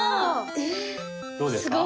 どうですか？